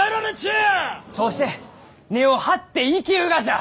そうして根を張って生きるがじゃ！